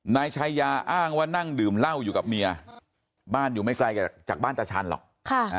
นายชายาอ้างว่านั่งดื่มเหล้าอยู่กับเมียบ้านอยู่ไม่ไกลจากบ้านตาชันหรอก